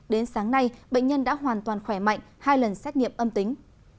đến sáng nay bệnh nhân đã hoàn toàn khỏe mạnh hai lần xét nghiệm âm tính